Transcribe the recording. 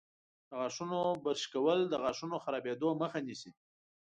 د غاښونو برش کول د غاښونو خرابیدو مخه نیسي.